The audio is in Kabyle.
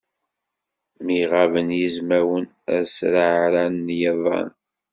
Mi ɣaben yizmawen, ad sreɛrɛen yiḍan.